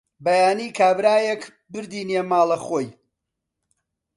بەیانی کابرایەک بردینیە ماڵە خۆی